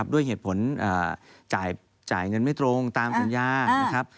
ด้วยเหตุผลจ่ายเงินไม่ตรงตามสัญญานะครับ